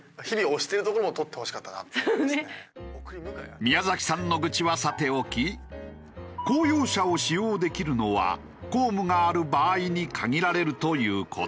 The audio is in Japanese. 宮崎さんの愚痴はさておき公用車を使用できるのは公務がある場合に限られるという事。